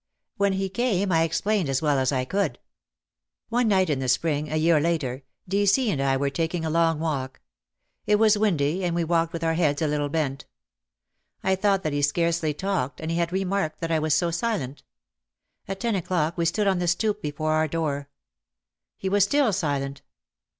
When he came I explained as well as I could. One night in the spring a year later, D. C. and I were taking a long walk. It was windy and we walked with our heads a little bent. I thought that he scarcely talked, and he had remarked that I was so silent. At ten o'clock we stood on the stoop before our door. He was still silent.